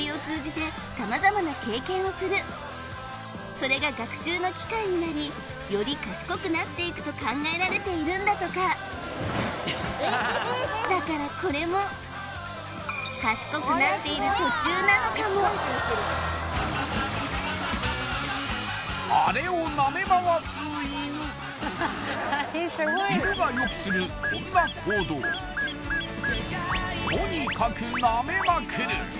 それが学習の機会になりより賢くなっていくと考えられているんだとかだからこれもなのかも犬がよくするこんな行動とにかく舐めまくる